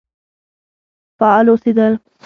فعال اوسېدل.